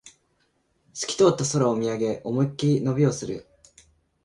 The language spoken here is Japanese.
すき通った空を見上げ、思いっきり伸びをする